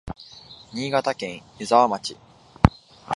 新潟県湯沢町